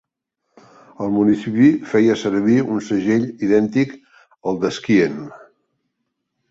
El municipi feia servir un segell idèntic al de Skien.